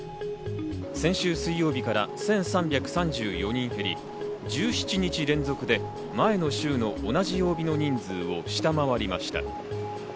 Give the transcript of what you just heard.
先週水曜日から１３３４人減り、１７日連続で前の週の同じ曜日の人数を下回りました。